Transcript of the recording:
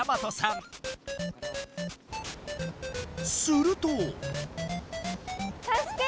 すると。